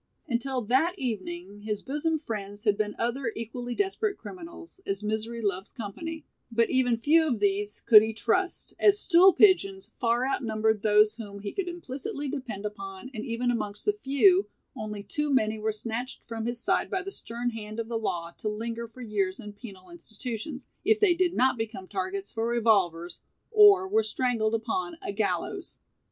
Until that evening his bosom friends had been other equally desperate criminals, as misery loves company, but even few of these could he trust, as "stool pigeons" far outnumbered those whom he could implicitly depend upon and even amongst the few, only too many were snatched from his side by the stern hand of the law to linger for years in penal institutions, if they did not become targets for revolvers or were strangled upon a gallows.